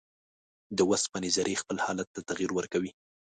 د اوسپنې ذرې خپل حالت ته تغیر ورکوي.